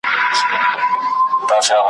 که شعر د کلماتو له ښکلا ,